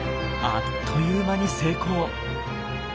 あっという間に成功！